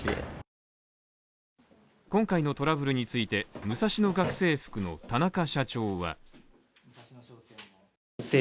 今回のトラブルについてムサシノ学生服の田中社長は